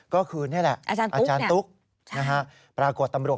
ก็คือนี่แหละอาจารย์ตุ๊กนะฮะปรากฏตำรวจ